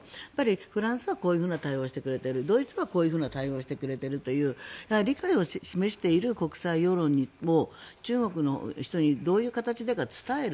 フランスはこういう対応をしてくれているドイツはこういう対応をしてくれているという理解を示してくれている国際世論を中国の人にどういう形で伝える。